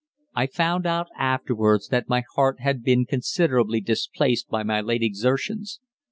I found out afterwards that my heart had been considerably displaced by my late exertions.